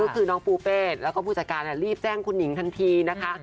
ก็คือน้องปูเป้แล้วก็ผู้จัดการรีบแจ้งคุณหญิงทันทีนะคะ